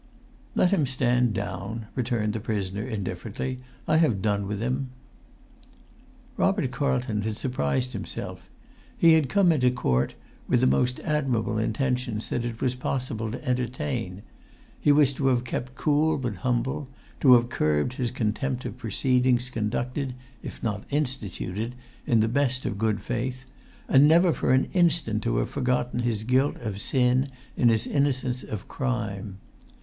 "Let him stand down," returned the prisoner, indifferently. "I have done with him." Robert Carlton had surprised himself. He had come into court with the most admirable intentions that it was possible to entertain: he was to have kept cool but humble, to have curbed his contempt of proceedings conducted (if not instituted) in the best of good faith, and never for an instant to have forgotten his guilt of sin in his innocence of crime.